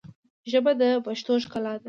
ژبه د پښتو ښکلا ده